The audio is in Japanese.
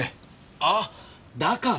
ああだから。